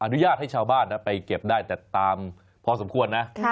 อนุญาตให้ชาวบ้านไปเก็บได้แต่ตามพอสมควรนะ